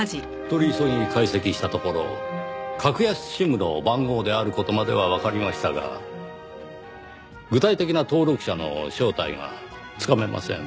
取り急ぎ解析したところ格安ＳＩＭの番号である事まではわかりましたが具体的な登録者の正体がつかめません。